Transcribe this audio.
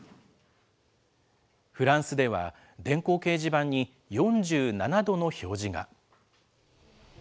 フランスでは電光掲示板に４７度の表示が。